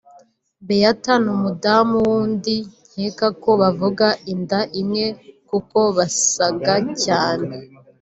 Béatha n’umudamu wundi nkeka ko bavaga inda imwe kuko basaga cyane